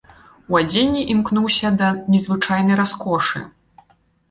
У адзенні імкнуўся да незвычайнай раскошы.